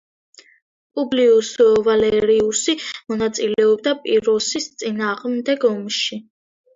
პუბლიუს ვალერიუსი მონაწილეობდა პიროსის წინააღმდეგ ომში.